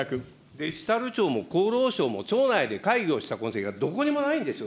デジタル庁も厚労省も庁内で会議をした痕跡が、どこにもないんですよ。